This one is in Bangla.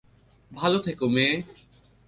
ভালো থেকো মেয়ে।